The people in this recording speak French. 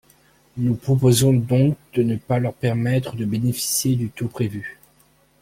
Nous proposons donc de ne pas leur permettre de bénéficier du taux prévu.